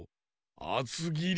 あつぎり？